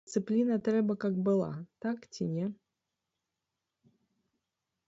Дысцыпліна трэба, каб была, так ці не?